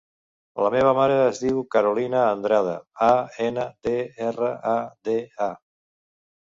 La meva mare es diu Carolina Andrada: a, ena, de, erra, a, de, a.